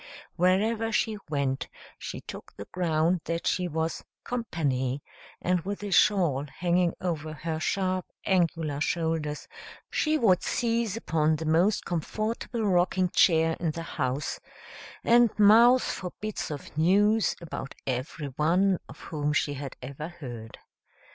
Wherever she went she took the ground that she was "company," and with a shawl hanging over her sharp, angular shoulders, she would seize upon the most comfortable rocking chair in the house, and mouse for bits of news about everyone of whom she had ever heard.